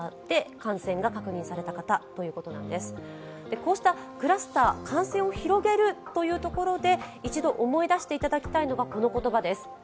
こうしたクラスター、感染を広げるというところで一度思い出していただきたいのがこの言葉です。